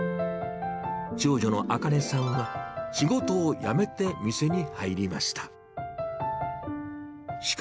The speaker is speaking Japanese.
長女のあかねさんは、仕事を辞めて、店に入りました。